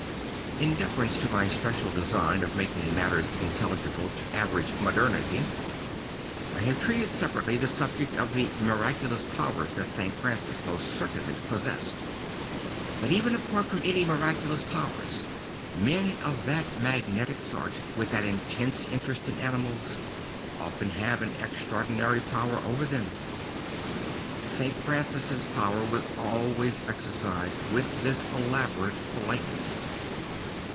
In deference to my special design of making matters intelligible to average moderni ty, I have treated separa tel y the subject of the miraculous powers that St Francis most certainly possessed But even apart from any miraculous powers, men of that magnetic sort, with that intense interest in aniInals, often have an extraordinary power over them. St. Francis's power was always exercised with this elaborate politeness.